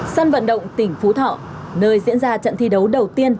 sân vận động tỉnh phú thọ nơi diễn ra trận thi đấu đầu tiên